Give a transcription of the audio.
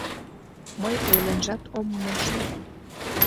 — Мый ойленжат ом мошто.